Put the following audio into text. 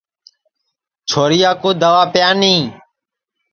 چھوریا کُو دئوا پیانی